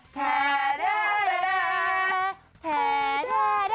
แท้แดแดแด